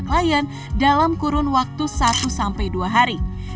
klien dalam kurun waktu satu sampai dua hari